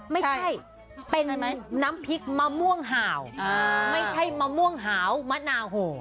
ไม่ใช่ใช่ไหมน้ำพริกมะม่วงห่าวอ่าไม่ใช่มะม่วงหาวมะนาโหอ่า